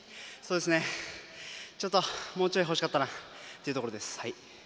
ちょっともうちょい欲しかったなというところです。